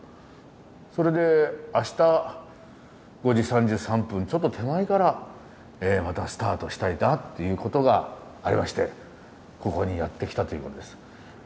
それであした５時３３分ちょっと手前からまたスタートしたいなっていうことがありましてここにやって来たということです。